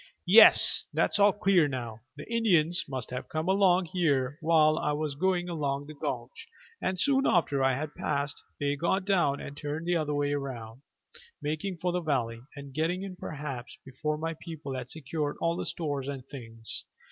"Yes, that's all clear now; the Indians must have come along here while I was going along the gulch, and soon after I had passed they got down and turned the other way, making for the valley, and getting in perhaps before my people had secured all the stores and things.